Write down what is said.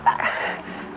saya akan pakai